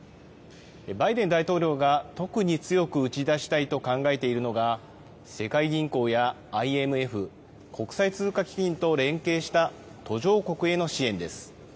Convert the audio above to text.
バイデン大統領が特に強く打ち出したいと考えているのが、世界銀行やＩＭＦ・国際通貨基金と連携した途上国への支援です。